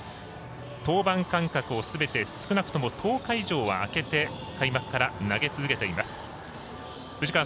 登板間隔をすべて少なくとも１０日以上は空けて開幕から投げ続けています。